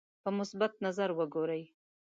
په مثبت نظر وګوري.